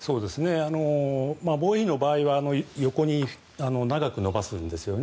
防衛費の場合は長く延ばせるんですよね。